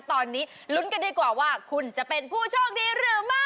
ตอนนี้ลุ้นกันดีกว่าว่าคุณจะเป็นผู้โชคดีหรือไม่